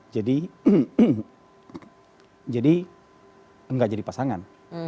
jadi jadi enggak jadi pasangan